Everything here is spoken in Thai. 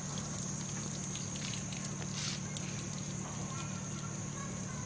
สุดท้ายสุดท้ายสุดท้าย